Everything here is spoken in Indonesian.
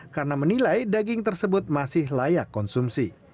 karena menilai daging tersebut masih layak konsumsi